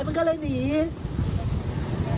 แต่เขาเห็นยายเดินไปไปถามหา